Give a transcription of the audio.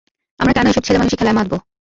আমরা কেন এসব ছেলেমানুষি খেলায় মাতবো?